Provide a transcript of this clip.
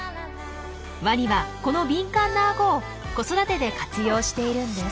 ワニはこの敏感なアゴを子育てで活用しているんです。